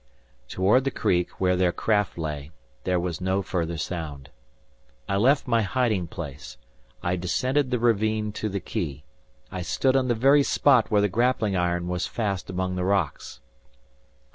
Toward the creek, where their craft lay, there was no further sound. I left my hiding place; I descended the ravine to the quay; I stood on the very spot where the grappling iron was fast among the rocks.